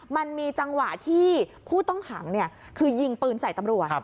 มันมีจังหวะที่ผู้ต้องขังคือยิงปืนใส่ตำรวจ